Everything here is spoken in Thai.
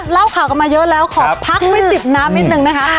เล่าข่าวกันมาเยอะแล้วขอพักไว้ติดน้ำนิดนึงนะคะ